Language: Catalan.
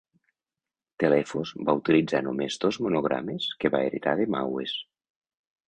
Telephos va utilitzar només dos monogrames que va heretar de Maues.